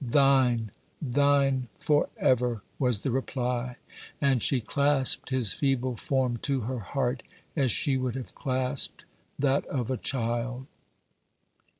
"Thine thine forever!" was the reply, and she clasped his feeble form to her heart as she would have clasped that of a child.